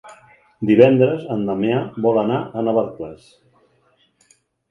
Divendres en Damià vol anar a Navarcles.